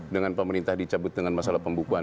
dengan pemerintah dicabut dengan masalah pembukuan